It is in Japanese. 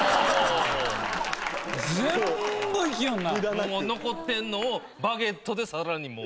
もう残ってんのをバゲットでさらにもう。